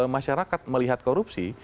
masyarakat melihat korupsi